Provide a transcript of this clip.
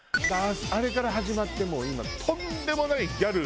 あれから始まってもう今とんでもないギャル。